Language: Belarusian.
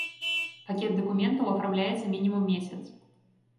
Пакет дакументаў афармляецца мінімум месяц.